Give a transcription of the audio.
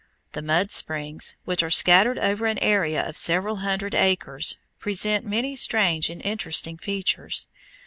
The mud springs, which are scattered over an area of several hundred acres, present many strange and interesting features.